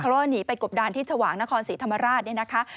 เพราะว่าหนีไปกบดานที่ชวางนครศรีธรรมราชเนี่ยนะคะ